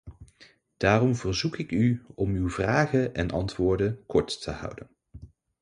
Daarom verzoek ik u om uw vragen en antwoorden kort te houden.